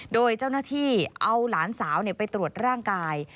โดยเจ้าหน้าที่เอาหลานสาวไปตรวจร่างกาย